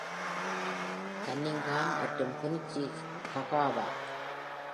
Cunningham, மற்றும் புனிச்சி Kagawa.